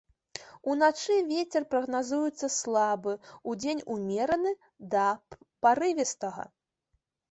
Уначы вецер прагназуецца слабы, удзень умераны да парывістага.